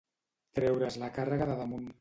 Treure's la càrrega de damunt.